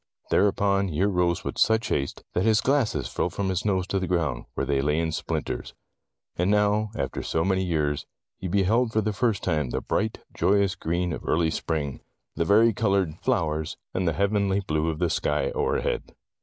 Thereupon he arose with such haste, that his glasses fell from his nose to the ground, where they lay in splinters. And now, after so many years^ he beheld for the first time the bright, joyous green of early Spring, the vari colored 24 Tales of Modern Germany flowers, and the heavenly blue of the sky overhead.